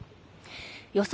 予想